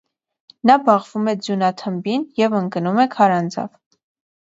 Նա բախվում է ձյունաթմբին և ընկնում է քարանձավ։